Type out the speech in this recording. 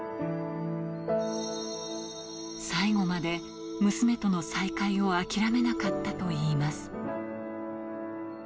最期まで娘との再会を諦めなかったといいます。